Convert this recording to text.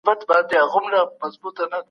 کوچنۍ ټولنپوهنه د انساني ژوند یوه مهمه برخه ده.